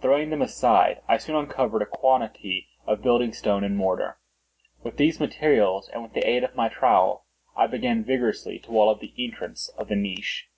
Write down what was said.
Throwing them aside, I soon uncovered a quantity of building stone and mortar. With these materials and with the aid of my trowel, I began vigorously to wall up the entrance of the niche.